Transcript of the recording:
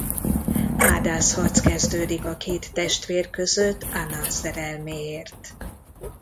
Ádáz harc kezdődik a két testvér között Ana szerelméért.